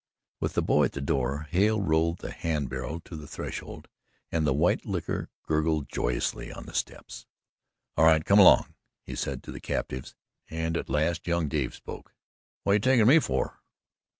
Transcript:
With the boy at the door, Hale rolled the hand barrel to the threshold and the white liquor gurgled joyously on the steps. "All right, come along," he said to the captives, and at last young Dave spoke: "Whut you takin' me fer?"